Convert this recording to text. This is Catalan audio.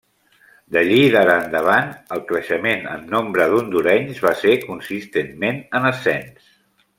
D'allí d'ara endavant, el creixement en nombre d'hondurenys va ser consistentment en ascens.